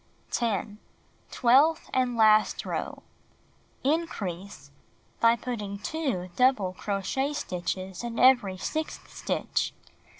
10. Twelfth and last row: "Increase," by putting 2 double crochet stitches in every sixth stitch.